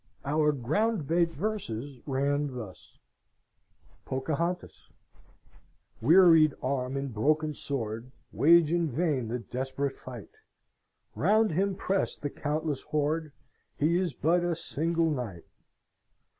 Our "ground bait" verses, ran thus: "POCAHONTAS "Wearied arm and broken sword Wage in vain the desperate fight Round him press the countless horde, He is but a single knight.